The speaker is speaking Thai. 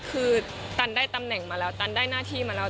คือตันได้ตำแหน่งมาแล้วตันได้หน้าที่มาแล้ว